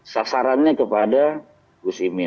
sasarannya kepada gus imin